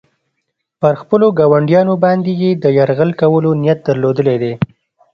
پر خپلو ګاونډیانو باندې یې د یرغل کولو نیت درلودلی دی.